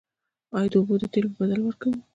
آیا اوبه د تیلو په بدل کې ورکوو؟